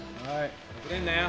遅れんなよ。